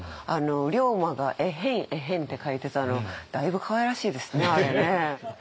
龍馬が「エヘンエヘン」って書いてたのだいぶかわいらしいですねあれね。